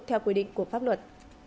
theo quy định của pháp luật